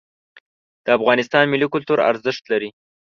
د افغانستان ملي کلتور ارزښت لري.